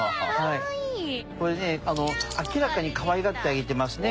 これね明らかにかわいがってあげてますね